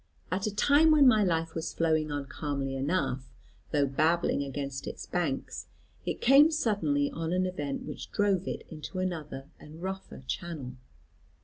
At a time when my life was flowing on calmly enough though babbling against its banks, it came suddenly on an event which drove it into another and rougher channel.